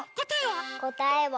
こたえは？